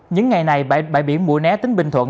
những ngày này bãi biển mùa né tỉnh bình thuận